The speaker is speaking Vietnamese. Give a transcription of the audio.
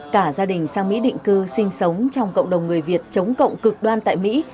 cả gia đình sang mỹ định cư sinh sống trong cộng đồng người việt chống cộng cực đoan tại mỹ